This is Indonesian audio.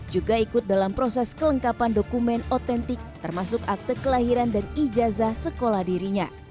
juga ikut dalam proses kelengkapan dokumen otentik termasuk akte kelahiran dan ijazah sekolah dirinya